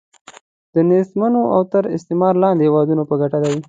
د نېستمنو او تر استعمار لاندې هیوادونو په ګټه دی.